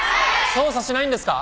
捜査しないんですか？